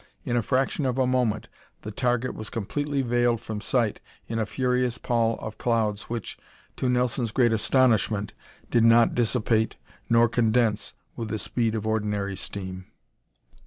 In a fraction of a moment the target was completely veiled from sight in a furious pall of clouds which, to Nelson's great astonishment, did not dissipate nor condense with the speed of ordinary steam.